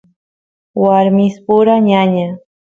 warmispura ñaña